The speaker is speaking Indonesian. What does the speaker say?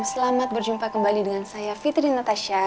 selamat berjumpa kembali dengan saya fitri natasha